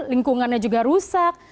lingkungannya juga rusak